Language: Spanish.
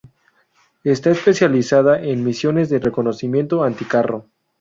Está especializada en misiones de reconocimiento y anticarro.